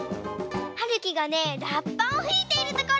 はるきがねらっぱをふいているところ！